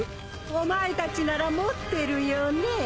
お前たちなら持ってるよねぇ？